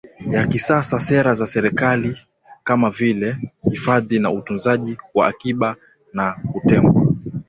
ya kisasa Sera za serikali kama vile hifadhi na utunzaji wa akiba na kutengwa